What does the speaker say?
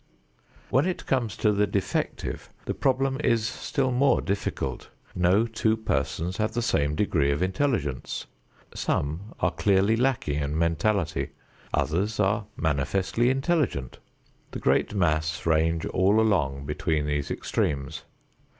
When it comes to the defective, the problem is still more difficult. No two persons have the same degree of intelligence. Some are clearly lacking in mentality. Others are manifestly intelligent. The great mass range all along between these extremes.